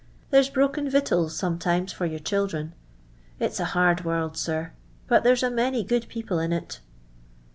There's broken victuals, sometimes, for your children. jilt's a hard world, sir, but there's a many good people in it."